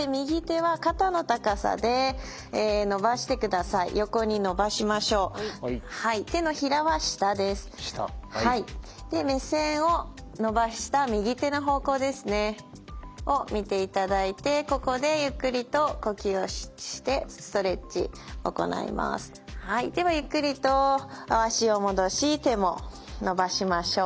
はいではゆっくりと脚を戻し手も伸ばしましょう。